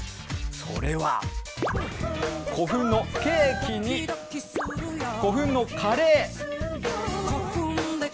それは、古墳のケーキに、古墳のカレー。